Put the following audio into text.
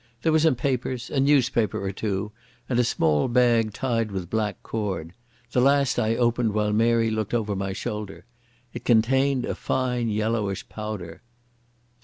There were some papers, a newspaper or two, and a small bag tied with black cord. The last I opened, while Mary looked over my shoulder. It contained a fine yellowish powder.